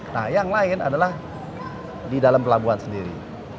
nah yang lain adalah di dalam pelabuhan sendiri